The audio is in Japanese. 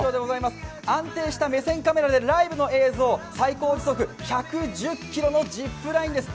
安定した目線カメラでライブの映像、最高時速１１０キロのジップラインです。